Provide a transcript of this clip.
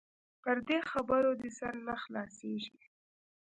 پر دې خبرو دې سر نه خلاصيږي.